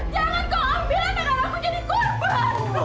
jangan kau ambil anak anakku jadi korban